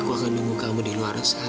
aku akan nunggu kamu di luar sana wih